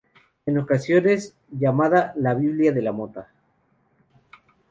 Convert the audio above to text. En ocasiones llamada "la Biblia de la moda.